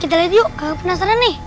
kita liat yuk kakak penasaran nih